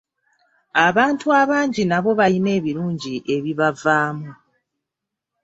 Abantu abangi nabo balina ebirungi ebibavaamu.